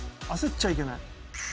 焦っちゃいけない。